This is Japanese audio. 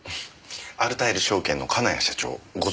アルタイル証券の金谷社長ご存じですよね？